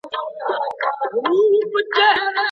اتڼ په ناسته نه کېږي.